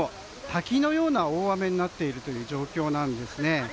滝のような大雨になっている状況なんです。